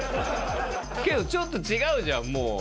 けどちょっと違うじゃん、もう。